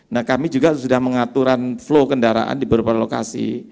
nah kami juga sudah mengaturan flow kendaraan di beberapa lokasi